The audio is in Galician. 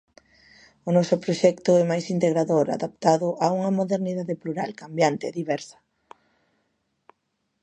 O noso proxecto é máis integrador, adaptado a unha modernidade plural, cambiante, diversa.